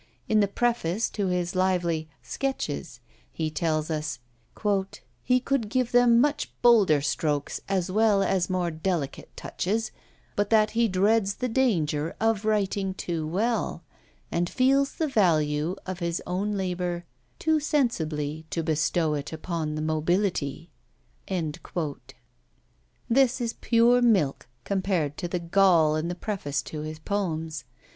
In the preface to his lively "Sketches" he tells us, "he could give them much bolder strokes as well as more delicate touches, but that he dreads the danger of writing too well, and feels the value of his own labour too sensibly to bestow it upon the mobility." This is pure milk compared to the gall in the preface to his poems.